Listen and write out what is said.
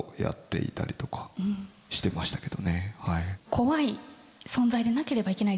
怖い存在でなければいけない。